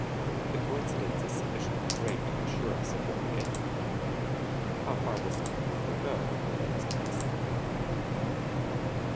The coincidence is sufficiently great to assure us a good beginning. How far this technique will go, remains to be seen.